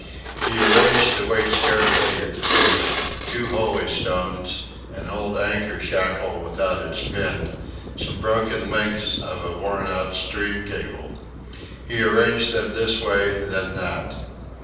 He arranged the weights carefully at the feet: two holystones, an old anchor shackle without its pin, some broken links of a worn out stream cable. He arranged them this way, then that.